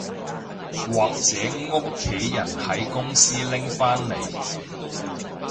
或者屋企人喺公司拎返嚟